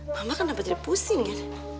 mama kenapa jadi pusing ya